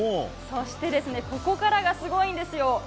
そしてここからがすごいんですよ。